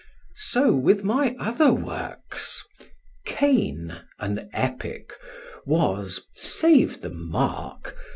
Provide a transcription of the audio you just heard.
So with my other works: Cain, an epic, was (save the mark!)